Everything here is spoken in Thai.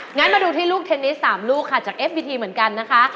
งั้นมาดูที่ลูกเทนนิส๓ลูกค่ะจากเอฟบีทีเหมือนกันนะคะ